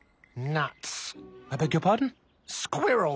ナッツだ。